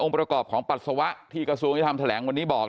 ประกอบของปัสสาวะที่กระทรวงยุทธรรมแถลงวันนี้บอก